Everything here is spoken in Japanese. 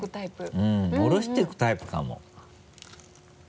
うん下ろしていくタイプかも。